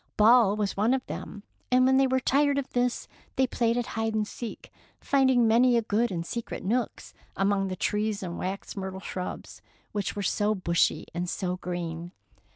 Ball was one of them, and when they were tired of this they played at hide and seek, finding many good and secret nooks among the trees and wax myrtle shrubs, which were so bushy and so green.